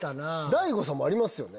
大悟さんもありますよね？